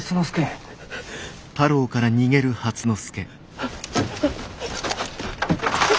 あっ。